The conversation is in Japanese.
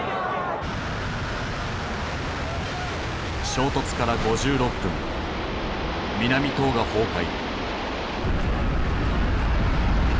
衝突から５６分南棟が崩壊。